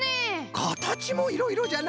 かたちもいろいろじゃな。